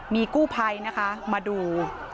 มีกู้ภัยนะคะมาดู